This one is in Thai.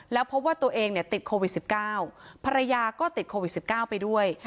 แล้วพบว่าตัวเองเนี่ยติดโควิด๑๙ภรรยาก็ติดโควิด๑๙ไปด้วย